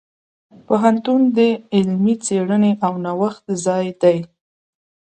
پوهنتون د علمي څیړنې او نوښت ځای دی.